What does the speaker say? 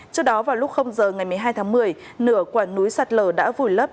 trước đó vào lúc giờ ngày một mươi hai tháng một mươi nửa quả núi sạt lở đã vùi lấp